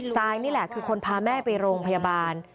ซายนี่แหละคือคนพาแม่ไปโรงพยาบาล